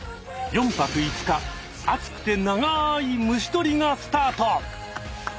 ４泊５日熱くて長い虫とりがスタート！